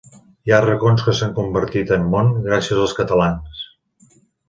Hi ha racons que s'han convertit en món gràcies als catalans.